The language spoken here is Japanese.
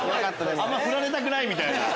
あんま振られたくないみたい。